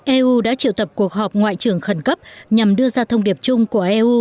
eu đã triệu tập cuộc họp ngoại trưởng khẩn cấp nhằm đưa ra thông điệp chung của eu